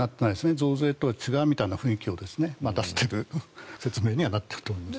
増税とは違うみたいな雰囲気を出している説明にはなっていると思います。